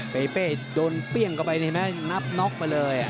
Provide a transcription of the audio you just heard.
เป้เป้โดนเปลียงเข้าไปนะเห็นมั้ยนับน็อคไปเลย